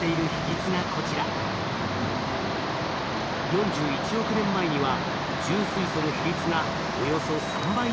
４１億年前には重水素の比率がおよそ３倍に増加。